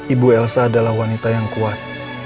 ibu elsa adalah wanita yang kuat